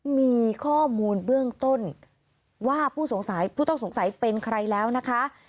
มีข้อมูลเบื้องต้นว่าผู้ต้องสงสัยเป็นใครแล้วนะคะ